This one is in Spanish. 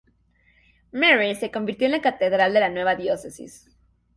Mary se convirtió en la catedral de la nueva diócesis.